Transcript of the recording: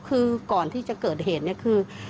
คือก่อนที่จะเกิดเหตุเนี่ยคือ